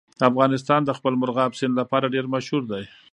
افغانستان د خپل مورغاب سیند لپاره ډېر مشهور دی.